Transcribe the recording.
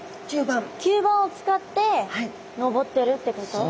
吸盤を使って登ってるってこと？